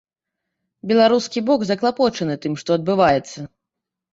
Беларускі бок заклапочаны тым, што адбываецца.